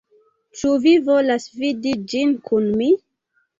Ĉu vi volas vidi ĝin kun mi?